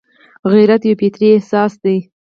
غیرت یو فطري احساس دی